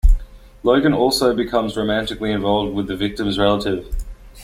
Logan also becomes romantically involved with the victim's relative.